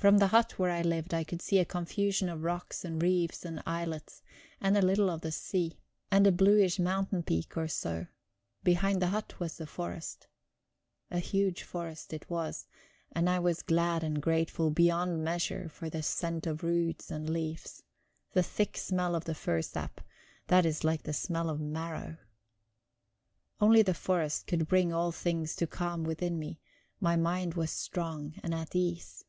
From the hut where I lived, I could see a confusion of rocks and reefs and islets, and a little of the sea, and a bluish mountain peak or so; behind the hut was the forest. A huge forest it was; and I was glad and grateful beyond measure for the scent of roots and leaves, the thick smell of the fir sap, that is like the smell of marrow. Only the forest could bring all things to calm within me; my mind was strong and at ease.